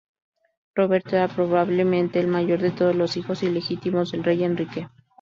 Roberto era probablemente el mayor de todos los hijos ilegítimos del rey Enrique.